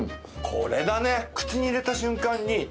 これだね。